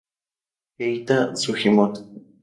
Keita Sugimoto